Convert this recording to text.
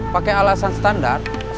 pake alasan standar